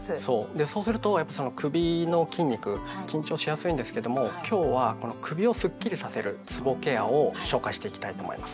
でそうすると首の筋肉緊張しやすいんですけども今日は首をスッキリさせるつぼケアを紹介していきたいと思います。